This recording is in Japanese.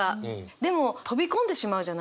でも飛び込んでしまうじゃないですか